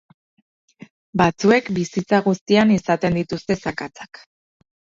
Batzuek bizitza guztian izaten dituzte zakatzak.